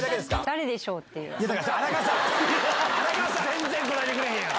全然答えてくれへんやん。